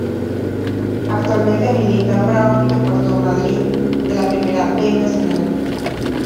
Actualmente milita en Brown de Puerto Madryn de la Primera B Nacional.